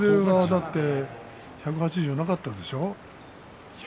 だって１８０なかったでしょう？